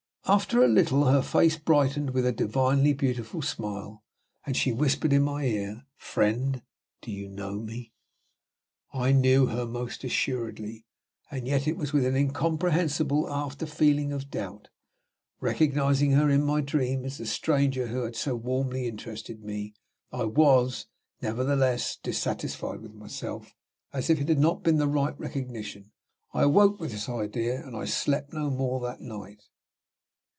After a little her face brightened with a divinely beautiful smile; and she whispered in my ear, "Friend, do you know me?" I knew her, most assuredly; and yet it was with an incomprehensible after feeling of doubt. Recognizing her in my dream as the stranger who had so warmly interested me, I was, nevertheless, dissatisfied with myself, as if it had not been the right recognition. I awoke with this idea; and I slept no more that night.